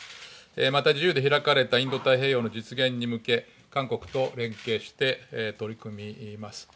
また自由で開かれたインド太平洋の実現に向け韓国と連携して取り組みます。